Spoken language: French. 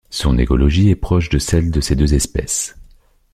Son écologie est proche de celle de ces deux espèces.